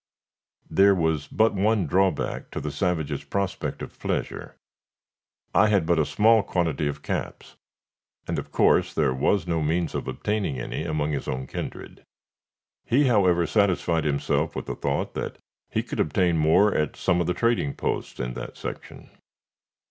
There was but one drawback to the savage's prospect of pleasure. I had but a small quantity of caps, and of course there was no means of obtaining any among his own kindred. He however satisfied himself with the thought that he could obtain more at some of the trading posts in that section.